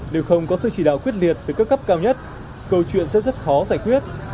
nếu không có sự chỉ đạo quyết liệt từ các cấp cao nhất câu chuyện sẽ rất khó giải quyết